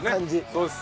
そうです。